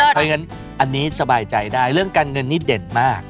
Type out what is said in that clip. เพราะฉะนั้นอันนี้สบายใจได้เรื่องการเงินนี่เด่นมาก